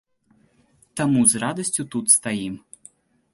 Таму з радасцю тут стаім.